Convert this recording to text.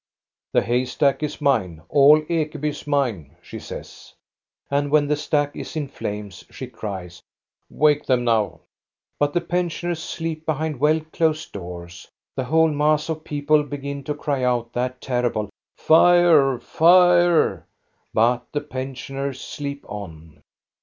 " The hay stack is mine, all Ekeby is mine," she says. And when the stack is in flames, she cries :" Wake them now !" But the pensioners sleep behind well closed doors. The whole mass of people begin to cry out that terrible Fire, fire !" but the pensioners sleep on.